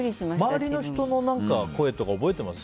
周りの人の声とか覚えてます？